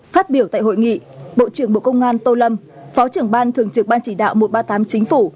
phát biểu tại hội nghị bộ trưởng bộ công an tô lâm phó trưởng ban thường trực ban chỉ đạo một trăm ba mươi tám chính phủ